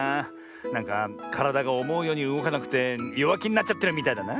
なんかからだがおもうようにうごかなくてよわきになっちゃってるみたいだな。